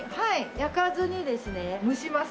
焼かずにですね蒸します。